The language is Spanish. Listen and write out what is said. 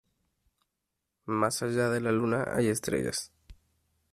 Más allá de la luna hay estrellas.